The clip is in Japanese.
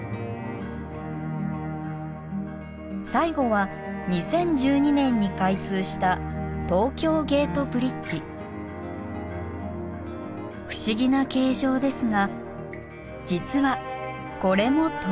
最後は２０１２年に開通した不思議な形状ですが実はこれもトラス橋。